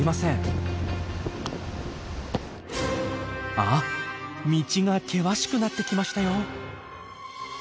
あっ道が険しくなってきましたよ。